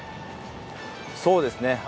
そうですね。